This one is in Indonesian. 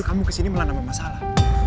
kamu kesini malah nambah masalah